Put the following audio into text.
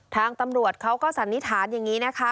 ทางตำรวจเขาก็สันนิษฐานอย่างนี้นะคะ